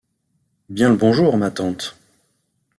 Bien le bonjour, ma tante. ..